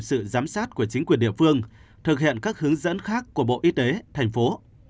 sự giám sát của chính quyền địa phương thực hiện các hướng dẫn khác của bộ y tế thành phố